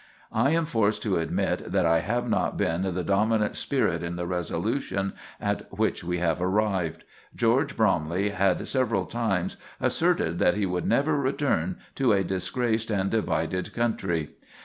"I am forced to admit that I have not been the dominant spirit in the resolution at which we have arrived. George Bromley had several times asserted that he would never return to a disgraced and divided country.